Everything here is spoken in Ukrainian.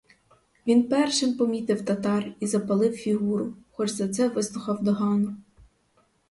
Він першим помітив татар і запалив фігуру, хоч за це вислухав догану.